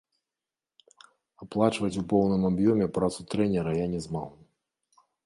Аплачваць у поўным аб'ёме працу трэнера я не змагу.